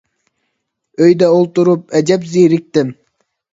ئۆيدە ئولتۇرۇپ ئەجەب زېرىكتىم.